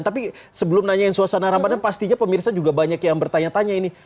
tapi sebelum nanyain suasana ramadan pastinya pemirsa juga banyak yang bertanya tanya ini